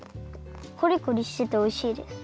こりこりしてておいしいです。